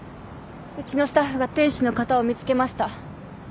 うちのスタッフが店主の方を見つけました。